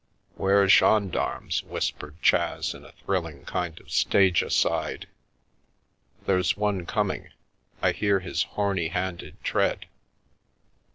" 'Ware gendarmes 1 " whispered Chas in a thrilling kind of stage aside. " There's one coming. I hear his horny handed tread."